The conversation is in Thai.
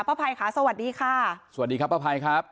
ภัยค่ะสวัสดีค่ะสวัสดีครับป้าภัยครับ